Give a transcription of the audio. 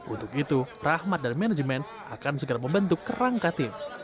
untuk itu rahmat dan manajemen akan segera membentuk kerangka tim